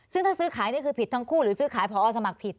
ซึ่งถ้าซื้อขายนี่คือผิดทั้งคู่หรือซื้อขายพอสมัครผิด